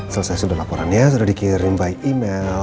selesai sudah laporan ya sudah dikirim by email